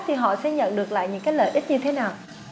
thì họ sẽ nhận được lại những cái lợi ích như thế nào